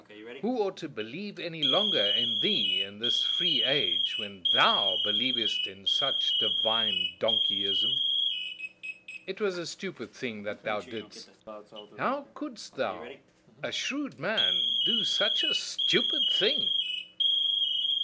Who ought to believe any longer in thee in this free age, when THOU believest in such divine donkeyism? It was a stupid thing that thou didst; how couldst thou, a shrewd man, do such a stupid thing!"